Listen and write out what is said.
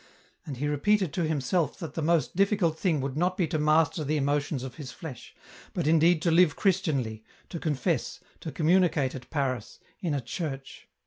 And he repeated to himself that the most difficult thing would not be to master the emotions of his flesh, but indeed to live Christianly, to confess, to communicate at Paris, in a church.